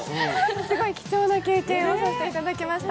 すごい貴重な経験をさせていただきました。